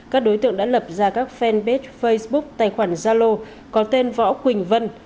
các đối tượng đã lập ra các fanpage facebook tài khoản zalo có tên võ quỳnh vân